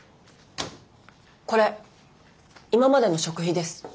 これ今までの食費です。